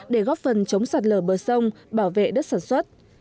để góp phần chống sạt lở bờ sông bảo vệ đất sản xuất